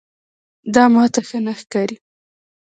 دا ماته ښه نه ښکاري.